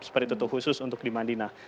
seperti itu khusus untuk di madinah